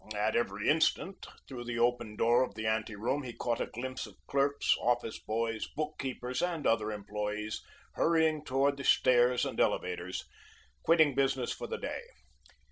At every instant, through the open door of the ante room, he caught a glimpse of clerks, office boys, book keepers, and other employees hurrying towards the stairs and elevators, quitting business for the day.